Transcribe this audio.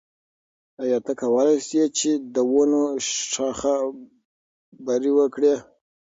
آیا ته کولای شې چې د ونو شاخه بري وکړې؟